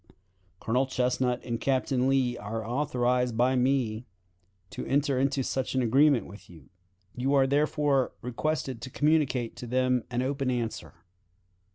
Colonel Chesnut and Captain Lee are authorized by me to enter into such an agreement with you. You are therefore requested to communicate to them an open answer.